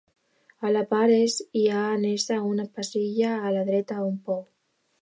A la part est hi ha annexa una pallissa i a la dreta un pou.